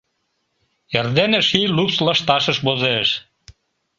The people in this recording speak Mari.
Эрдене ший лупс лышташыш возеш.